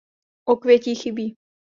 Okvětí chybí.